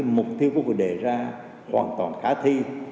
mục tiêu của quốc hội đề ra hoàn toàn khả thi